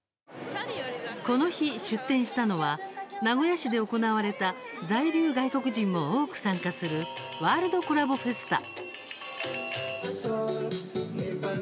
この日、出展したのは名古屋市で行われた在留外国人も多く参加するワールド・コラボ・フェスタ。